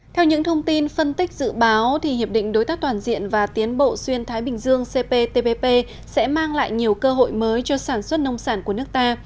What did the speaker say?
theo những thông tin phân tích dự báo hiệp định đối tác toàn diện và tiến bộ xuyên thái bình dương cptpp sẽ mang lại nhiều cơ hội mới cho sản xuất nông sản của nước ta